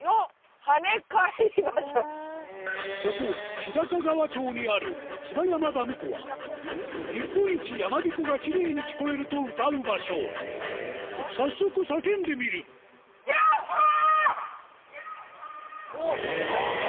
ここ日高川町にある椿山ダム湖は日本一やまびこがきれいに聞こえるとうたう場所早速叫んでみるへぇ！